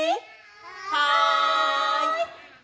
はい！